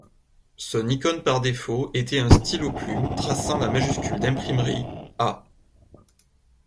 Son icone par défaut était un stylo-plume traçant la majuscule d'imprimerie 'A'.